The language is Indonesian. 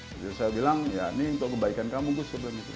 jadi saya bilang ya ini untuk kebaikan kamu agus